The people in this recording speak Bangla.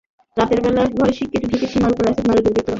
রাতের বেলা ঘরে সিঁদ কেটে ঢুকে সীমার ওপর অ্যাসিড মারে দুর্বৃত্তরা।